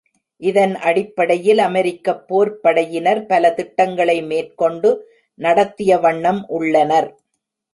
இதன் அடிப்படையில், அமெரிக்கப் போர்ப்படையினர் பல திட்டங்களை மேற்கொண்டு நடத்திய வண்ணம் உள்ளனர்.